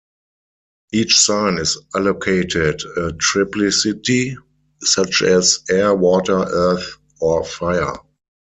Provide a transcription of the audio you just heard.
Each sign is allocated a triplicity, such as air, water, earth or fire.